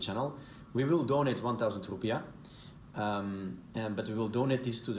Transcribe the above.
kami akan memberikan seribu rupiah tapi kami akan memberikan ini kepada orang yang benar di indonesia